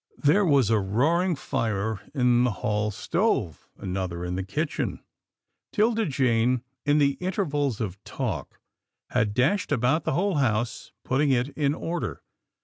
There was a roaring fire in the hall stove, another in the kitchen, 'Tilda Jane, in the intervals of talk, had dashed about the whole house, putting it in order.